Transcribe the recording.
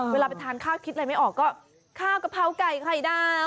เวลาไปทานข้าวคิดอะไรไม่ออกก็ข้าวกะเพราไก่ไข่ดาว